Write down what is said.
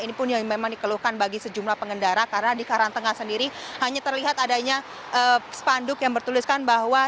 ini pun yang memang dikeluhkan bagi sejumlah pengendara karena di karangtengah sendiri hanya terlihat adanya spanduk yang bertuliskan bahwa